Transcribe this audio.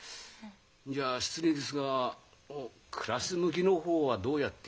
じゃあ失礼ですが暮らし向きの方はどうやって？